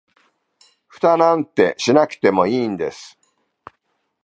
フタなんてしなくてもいいんです